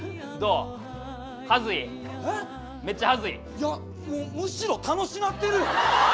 いやもうむしろ楽しなってるよ。